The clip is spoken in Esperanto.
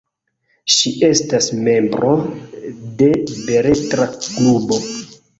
Ŝi estas membro de beletra klubo.